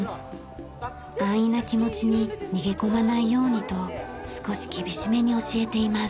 安易な気持ちに逃げ込まないようにと少し厳しめに教えています。